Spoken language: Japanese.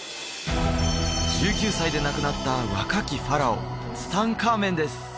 １９歳で亡くなった若きファラオツタンカーメンです